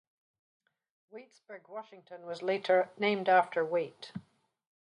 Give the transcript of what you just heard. Waitsburg, Washington, was later named after Wait.